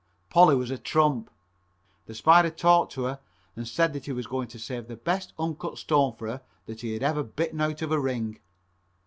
Polly was a trump. The Spider talked to her and said that he was going to save the best uncut stone for her that he had ever bitten out of a ring.